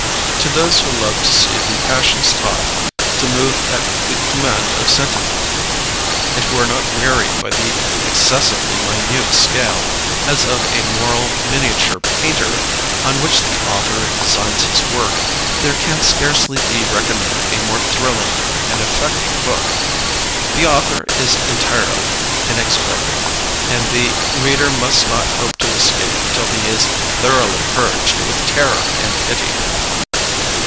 To those who love to see the passions taught to move at the command of sentiment, and who are not wearied by the excessively minute scale, as of a moral miniature painter, on which the author designs his work, there can scarcely be recommended a more thrilling and affecting book. The author is entirely inexorable, and the reader must not hope to escape until he is thoroughly purged with terror and pity.